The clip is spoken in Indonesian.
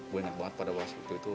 gue ingat banget pada waktu itu